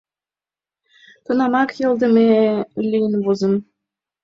Тунамак йылмыдыме лийын возым.